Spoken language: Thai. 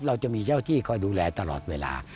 เราจะมีเจ้าที่คอยดูแลตลอดเวลา